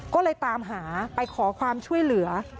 ก็เลยตามหาไปขอความช่วยเหลือ